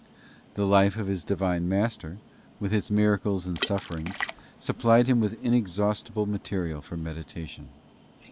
The life of his Divine Master, with its miracles and sufferings, supplied him with inexhaustible material for meditation.